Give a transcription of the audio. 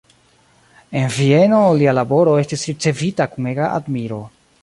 En Vieno lia laboro estis ricevita kun ega admiro.